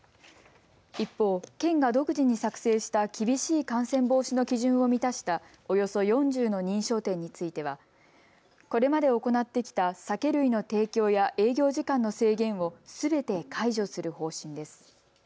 一方、県が独自に作成した厳しい感染防止の基準を満たしたおよそ４０の認証店についてはこれまで行ってきた酒類の提供や営業時間の制限をすべて解除する方針です。